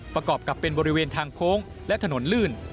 ประกอบกับเป็นบริเวณทางโค้งและถนนลื่น